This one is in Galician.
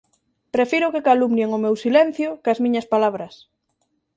Prefiro que calumnien o meu silencio cás miñas palabras